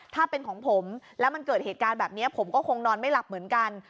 ถ้าเป็นของผมแล้วมันเกิดเหตุการณ์แบบนี้ผมก็คงนอนไม่หลับเหมือนกัน